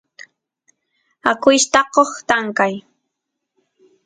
akuyshtaqot tankay